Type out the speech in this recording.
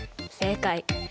正解！